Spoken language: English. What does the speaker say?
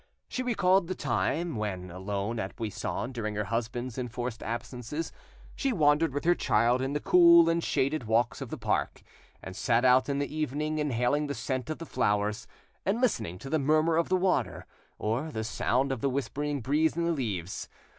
She recalled the time when, alone at Buisson during her husband's enforced absences, she wandered with her child in the cool and shaded walks of the park, and sat out in the evening, inhaling the scent of the flowers, and listening to the murmur of the water, or the sound of the whispering breeze in the leaves.